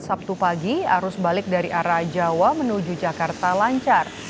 sabtu pagi arus balik dari arah jawa menuju jakarta lancar